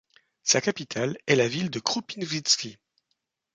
Sa capitale est la ville de Kropyvnytsky.